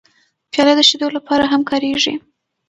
پیاله د شیدو لپاره هم کارېږي.